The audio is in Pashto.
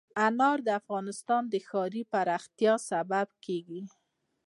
انار د افغانستان د ښاري پراختیا سبب کېږي.